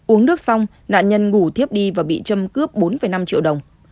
uống nước xong nạn nhân ngủ tiếp đi và bị châm cướp bốn năm triệu đồng